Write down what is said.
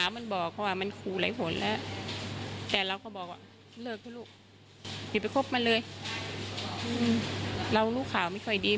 แม่บอกแบบนี้อันนี้ในมุมของแม่ผู้ตายนะคะคุณผู้ชมทีนี้ตำรวจเนี่ยก็จะมาจุดจบตรงนี้ไง